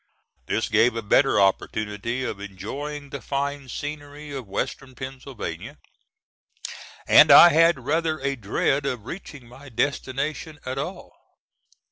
This gave a better opportunity of enjoying the fine scenery of Western Pennsylvania, and I had rather a dread of reaching my destination at all.